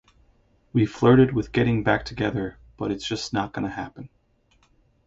We flirted with getting back together, but it's just not gonna happen.